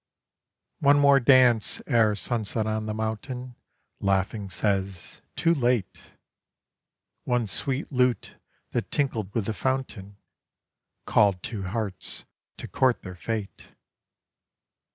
One more dance ere sunset on the mountain Laughing says, "Too late"; One sweet lute that tinkled with the fountain Called two hearts to court their fate.